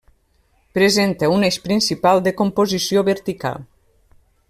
Presenta un eix principal de composició vertical.